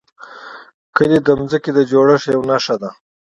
کلي د ځمکې د جوړښت یوه نښه ده.